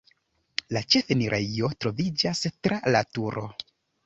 La ĉefenirejo troviĝas tra la turo.